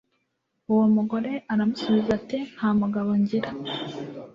uwo mugore aramusubiza ati nta mugabo ngira